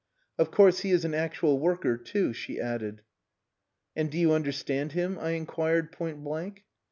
"Of course, he is an actual worker too," she added. "And do you understand him?" I inquired point blank.